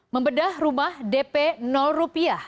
membedah rumah dp rupiah